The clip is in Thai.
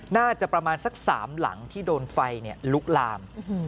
น่าจะประมาณสัก๓หลังที่โดนไฟลุกลาม